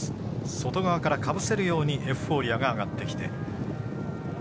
外側からかぶせるようにエフフォーリアが上がってきて。